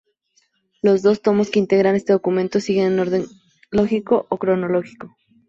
Los dos tomos que integran este documento siguen un orden lógico o cronológico.